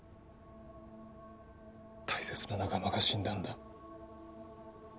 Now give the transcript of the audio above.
大切な仲間が死んだんだ。